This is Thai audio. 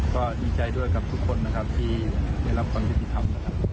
ก็ดีใจด้วยกับทุกคนนะครับที่ได้รับความยุติธรรมนะครับ